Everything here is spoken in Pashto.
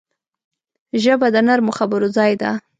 ژبه د نرمو خبرو ځای ده